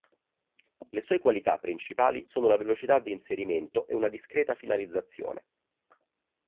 Le sue qualità principali sono la velocità di inserimento e una discreta finalizzazione.